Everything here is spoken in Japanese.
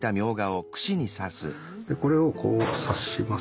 でこれをこう刺します。